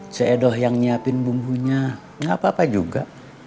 si edo yang nyiapin bumbunya gak apa apa juga